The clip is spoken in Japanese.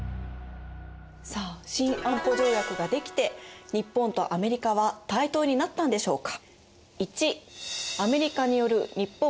さあ新安保条約が出来て日本とアメリカは対等になったんでしょうか？